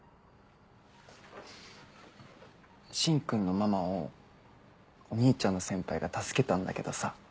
芯君のママをお兄ちゃんの先輩が助けたんだけどさ。